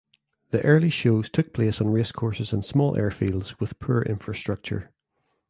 The early shows took place on racecourses and small airfields with poor infrastructure.